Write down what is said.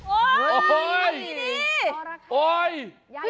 โอ้ยดีดี